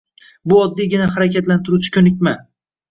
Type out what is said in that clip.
Bu oddiygina harakatlantiruvchi ko‘nikma